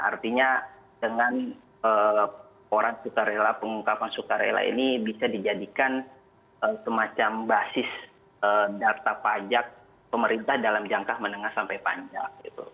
artinya dengan orang suka rela pengungkapan sukarela ini bisa dijadikan semacam basis data pajak pemerintah dalam jangka menengah sampai panjang